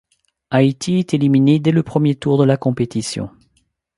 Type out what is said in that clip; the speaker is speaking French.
Haïti est éliminé dès le premier tour de la compétition.